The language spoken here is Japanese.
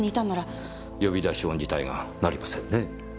呼び出し音自体が鳴りませんね。